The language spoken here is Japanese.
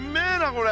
これ！